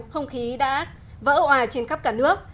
không khí đã vỡ hoà trên khắp cả nước